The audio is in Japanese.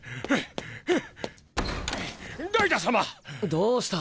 どうした？